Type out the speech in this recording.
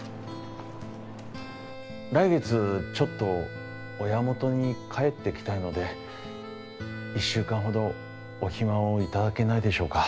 来月ちょっと親元に帰ってきたいので１週間ほどお暇を頂けないでしょうか。